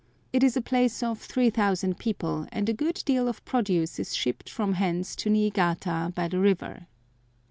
It is a place of 3000 people, and a good deal of produce is shipped from hence to Niigata by the river.